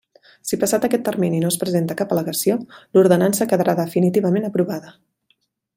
Si passat aquest termini no es presenta cap al·legació, l'Ordenança quedarà definitivament aprovada.